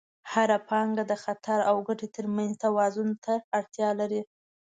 هره پانګونه د خطر او ګټې ترمنځ توازن ته اړتیا لري.